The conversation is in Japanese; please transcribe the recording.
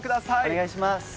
お願いします。